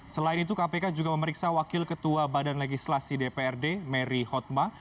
selain itu kpk juga memeriksa wakil ketua badan legislasi dprd mary hotma